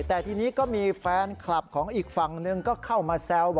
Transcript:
แต่ทีนี้ก็มีแฟนคลับของอีกฝั่งหนึ่งก็เข้ามาแซว